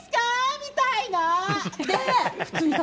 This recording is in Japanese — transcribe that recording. みたいな。